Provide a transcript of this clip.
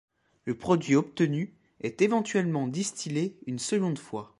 Le produit obtenu est éventuellement distillé une seconde fois.